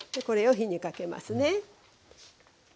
これを火にかけますね。